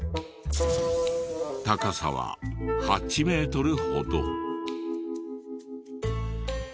高さは８メートルほど。